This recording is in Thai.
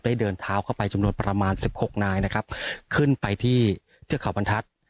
เดินเท้าเข้าไปจำนวนประมาณสิบหกนายนะครับขึ้นไปที่เทือกเขาบรรทัศน์